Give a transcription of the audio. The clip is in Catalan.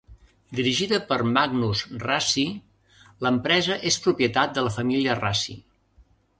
Dirigida per Magnus Rassy, l'empresa és propietat de la família Rassy.